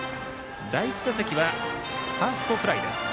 第１打席はファーストフライです。